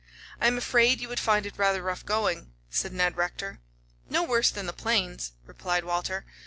"I am afraid you would find it rather rough going," said Ned Rector. "No worse than the plains," replied Walter.